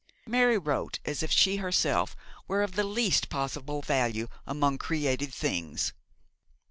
Mary wrote as if she herself were of the least possible value among created things.